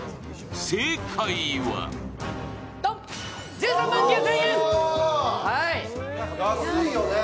正解は安いよね。